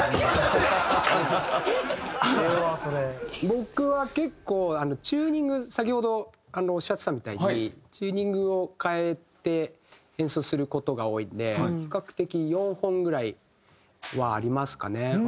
僕は結構チューニング先ほどおっしゃってたみたいにチューニングを変えて演奏する事が多いんで比較的４本ぐらいはありますかね。